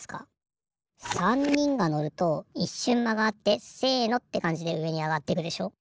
３にんがのるといっしゅんまがあって「せの！」ってかんじでうえにあがっていくでしょ。